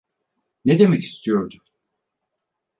Ne demek istiyordu?